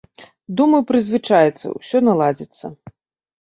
Думаю, прызвычаіцца, усё наладзіцца!